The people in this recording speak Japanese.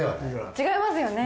違いますよね。